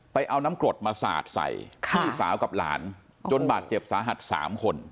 เอาน้ำกรดมาสาดใส่พี่สาวกับหลานจนบาดเจ็บสาหัส๓คน